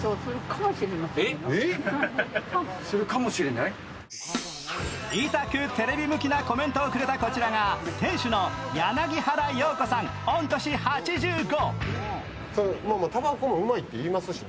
いたくテレビ向きなコメントをくれたこちらが、店主の柳原陽子さん、御年８５。